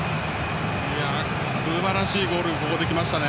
すばらしいゴールがここできましたね。